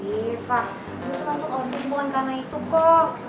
evah gue tuh masuk osin bukan karena itu kok